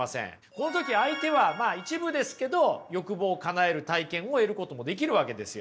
この時相手は一部ですけど欲望をかなえる体験を得ることもできるわけですよ。